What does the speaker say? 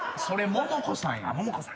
モモコさんか。